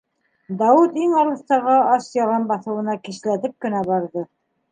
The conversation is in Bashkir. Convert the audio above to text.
Дауыт иң алыҫтағы «Асъялан» баҫыуына кисләтеп кенә барҙы.